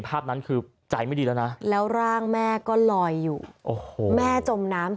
ภาพนั้นคือใจไม่ดีแล้วนะแล้วร่างแม่ก็ลอยอยู่โอ้โหแม่จมน้ำ